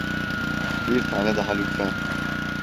Bir tane daha lütfen.